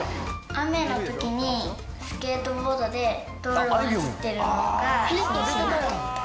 雨のときにスケートボードで道路を走ってるのが涼しい。